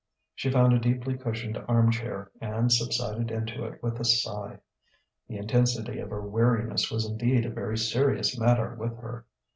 She found a deeply cushioned arm chair, and subsided into it with a sigh. The intensity of her weariness was indeed a very serious matter with her.